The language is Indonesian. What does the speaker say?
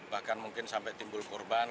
bahkan mungkin sampai timbul korban